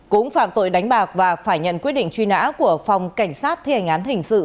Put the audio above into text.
cũng phạm tội đánh bạc và phải nhận quyết định truy nã của phòng cảnh sát thi hành án hình sự